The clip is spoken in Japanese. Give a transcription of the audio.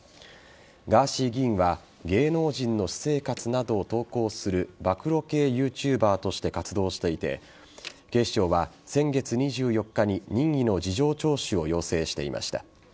ガーシー議員は芸能人の私生活などを投稿する暴露系ＹｏｕＴｕｂｅｒとして活動していて警視庁は、先月２４日に任意の事情聴取を要請していました。